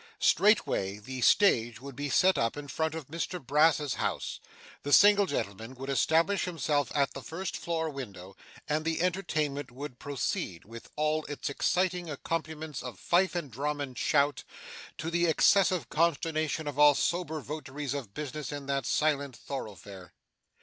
Straightway, the stage would be set up in front of Mr Brass's house; the single gentleman would establish himself at the first floor window; and the entertainment would proceed, with all its exciting accompaniments of fife and drum and shout, to the excessive consternation of all sober votaries of business in that silent thoroughfare.